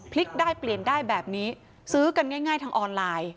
พลิกได้เปลี่ยนได้แบบนี้ซื้อกันง่ายทางออนไลน์